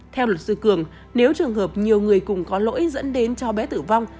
theo luật sư cường nếu trường hợp nhiều người cùng có lỗi dẫn đến cháu bé tử vong